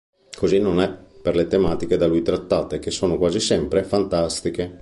Così non è per le tematiche da lui trattate, che sono quasi sempre fantastiche.